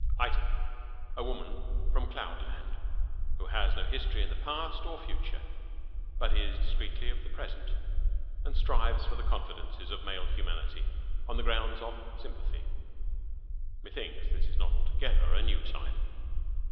Item, a woman from cloud land who has no history in the past or future, but is discreetly of the present, and strives for the confidences of male humanity on the grounds of "sympathy" (methinks this is not altogether a new type).